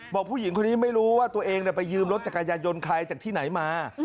บอกผู้หญิงคนนี้ไม่รู้ว่าตัวเองไปยืมรถจักรยายนต์ใครจากที่ไหนมา